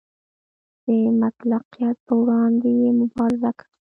د مطلقیت پر وړاندې یې مبارزه کوله.